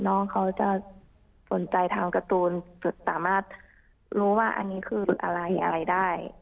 น้องเขาจะสนใจทางการ์ตูนสามารถรู้ว่าอันนี้คืออะไรอะไรได้